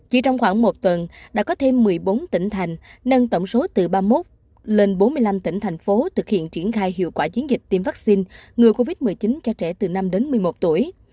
chỉ trong khoảng một tuần đã có thêm một mươi bốn tỉnh thành nâng tổng số từ ba mươi một lên bốn mươi năm tỉnh thành phố thực hiện triển khai hiệu quả chiến dịch tiêm vaccine ngừa covid một mươi chín cho trẻ từ năm đến một mươi một tuổi